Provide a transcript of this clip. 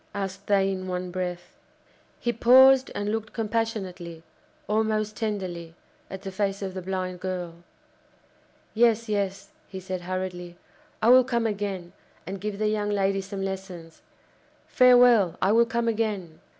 asked they in one breath. He paused and looked compassionately, almost tenderly, at the face of the blind girl. "Yes, yes," he said hurriedly, "I will come again, and give the young lady some lessons! Farewell! I will come again!"